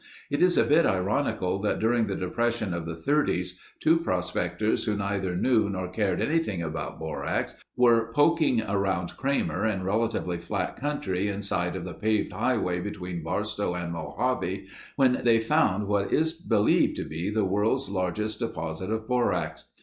It is a bit ironical that during the depression of the Thirties, two prospectors who neither knew nor cared anything about borax were poking around Kramer in relatively flat country in sight of the paved highway between Barstow and Mojave when they found what is believed to be the world's largest deposit of borax.